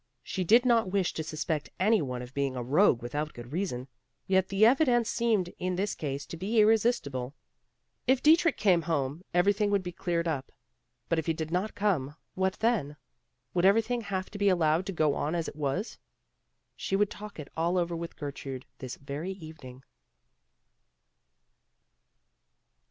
She did not wish to suspect any one of being a rogue without good reason; yet the evidence seemed in this case to be irresistible. If Dietrich came home, everything would be cleared up. But if he did not come, what then? Would everything have to be allowed to go on as it was? She would talk it all over with Gertrude this very evening.